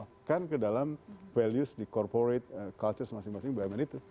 masukkan ke dalam values di corporate culture masing masing bumn itu